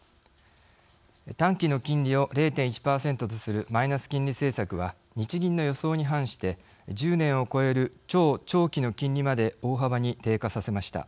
短期の金利を０．１％とするマイナス金利政策は日銀の予想に反して１０年を超える超長期の金利まで大幅に低下させました。